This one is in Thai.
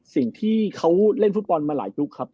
สิ่งที่เขาเล่นฟุตบอลมาหลายยุคครับ